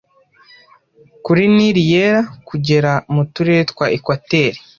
kuri Nili Yera kugera mu Turere twa Ekwateri